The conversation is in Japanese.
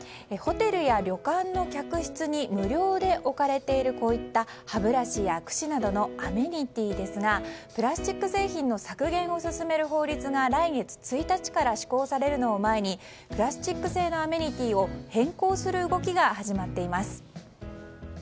ホテルや旅館の客室に無料で置かれている歯ブラシやくしなどのアメニティーですがプラスチック製品の削減を進める法律が来月１日から施行されるのを前にプラスチック製のアメニティーを変更する動きが始まっています。